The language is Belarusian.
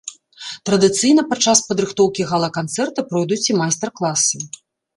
Традыцыйна падчас падрыхтоўкі гала-канцэрта пройдуць і майстар-класы.